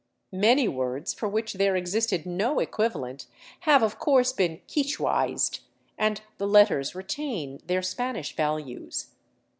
Many words for which there existed no equivalent have, of course, been " quichuaized," and the letters retain their Spanish values.